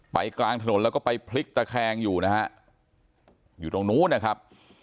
กลางถนนแล้วก็ไปพลิกตะแคงอยู่นะฮะอยู่ตรงนู้นนะครับ